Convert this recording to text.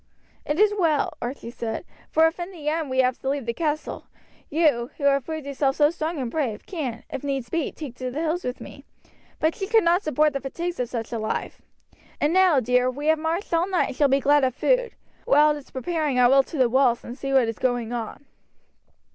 "It is well," Archie said, "for if in the end we have to leave the castle, you, who have proved yourself so strong and brave, can, if needs be, take to the hills with me; but she could not support the fatigues of such a life. And now, dear, we have marched all night and shall be glad of food; while it is preparing I will to the walls and see what is going on."